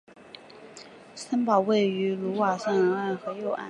城堡位于卢瓦尔河右岸。